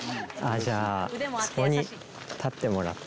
じゃあそこに立ってもらって。